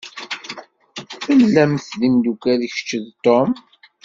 Tellam d imeddukal kečč d Tum?